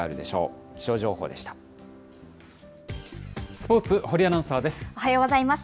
スポーツ、堀アナウンサーです。